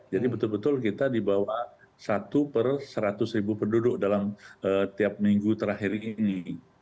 jadi betul betul kita dibawa satu per seratus ribu penduduk dalam tiap minggu terakhir ini